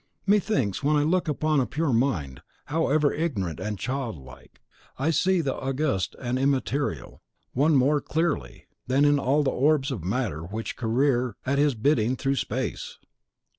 Methinks, when I look upon a pure mind, however ignorant and childlike, that I see the August and Immaterial One more clearly than in all the orbs of matter which career at His bidding through space.